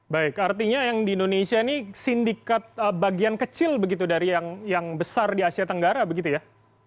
baik artinya yang di indonesia ini sindikat bagian kecil begitu dari yang besar di asia tenggara begitu ya